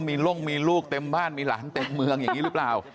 มีร่มมีลูกเต็มบ้านมีหลานเต็มเมืองอย่างนี้หรือเปล่า